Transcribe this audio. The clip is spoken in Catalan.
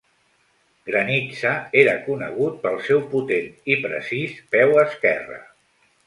Granitza era conegut pel seu potent i precís peu esquerre.